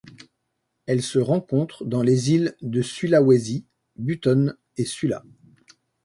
Elle se rencontre dans les îles de Sulawesi, Buton et Sula.